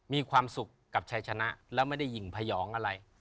มีความสุขกับชัยชนะแล้วไม่ได้หญิงพยองอะไร